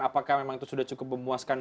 apakah memang itu sudah cukup memuaskan